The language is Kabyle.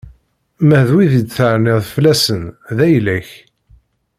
Ma d wid i d-terniḍ fell-asen, d ayla-k.